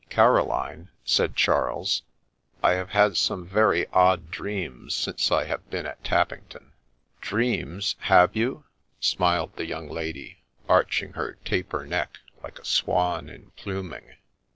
' Caroline,' said Charles, ' I have had some very odd dreams since I have been at Tappington.' ' Dreams, have you ?' smiled the young lady, arching her taper neck like a swan in pluming.